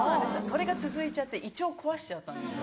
それが続いちゃって胃腸を壊しちゃったんですよ。